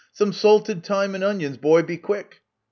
Some salted thyme and onions, boy, be quick